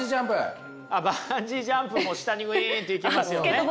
バンジージャンプも下にウィンって行けますよね。